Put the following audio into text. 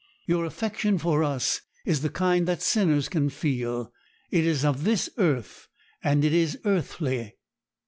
Your affection for us is the kind that sinners can feel; it is of this earth, and is earthly.